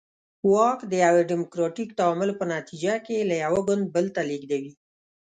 واک د یوه ډیموکراتیک تعامل په نتیجه کې له یو ګوند بل ته ولېږدوي.